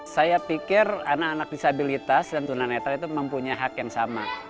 saya pikir anak anak disabilitas dan tunanetra itu mempunyai hak yang sama